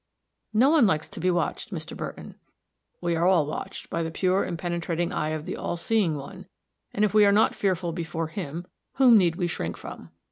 "No one likes to be watched, Mr. Burton." "We are all watched by the pure and penetrating eye of the All seeing One, and if we are not fearful before Him, whom need we shrink from?"